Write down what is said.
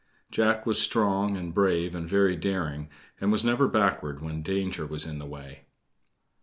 Jack was strong and brave and very daring, and was never backward when danger was in the way.